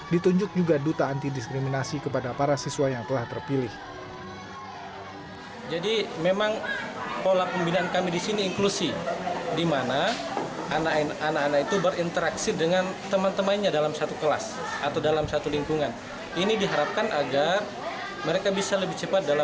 ditunjuk juga duta anti diskriminasi kepada para siswa yang telah terpilih